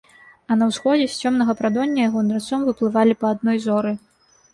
А на ўсходзе з цёмнага прадоння яго нырцом выплывалі па адной зоры.